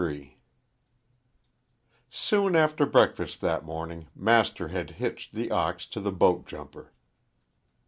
"_ XXXIII SOON after breakfast that morning Master had hitched the ox to the boat jumper.